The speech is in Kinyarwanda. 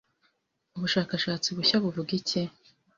Ubushakashatsi bushya buvuga iki